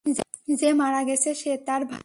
যে মারা গেছে সে তার ভাই।